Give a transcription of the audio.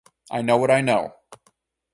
I know what I know.